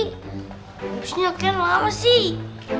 habisnya kenapa sih